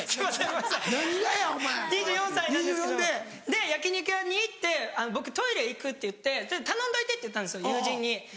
で焼き肉屋に行って僕トイレ行くって言って頼んどいてって言ったんですよ友人に。